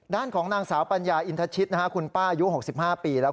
ด้านของนางสาวปัญญาอินทชิตคุณป้าอายุ๖๕ปีแล้ว